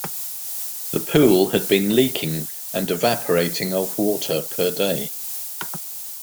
The pool had been leaking and evaporating of water per day.